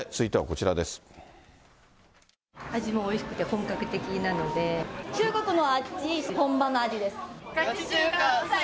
味もおいしくて、本格的なの中国の味、本場の味です！